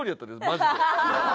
マジで。